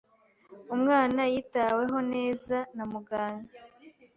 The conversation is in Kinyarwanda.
Umwana yitaweho neza na muganga.